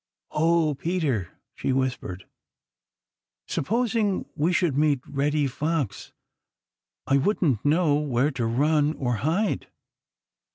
"Oh, Peter," she whispered, "supposing we should meet Reddy Fox! I wouldn't know where to run or hide."